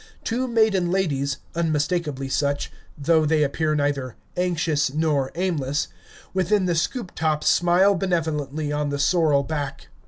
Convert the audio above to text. Two maiden ladies unmistakably such, though they appear neither "anxious nor aimless" within the scoop top smile benevolently on the sorrel back.